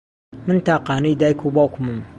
من تاقانەی دایک و باوکمم.